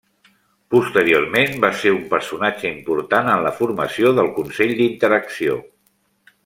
Posteriorment, va ser un personatge important en la formació del Consell d'Interacció.